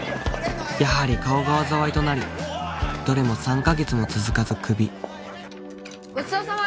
やはり顔が災いとなりどれも３カ月も続かずクビごちそうさま